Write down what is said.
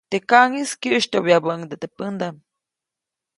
Teʼ kaʼŋis kyäʼsytyoʼbyabäʼuŋ teʼ pädaʼm.